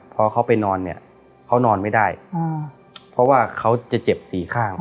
พอเขาไปนอนเนี่ยเขานอนไม่ได้เพราะว่าเขาจะเจ็บสี่ข้าง